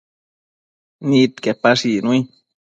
Nidquepash icnui